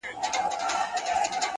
خو ما هچيش له تورو شپو سره يارې کړې ده-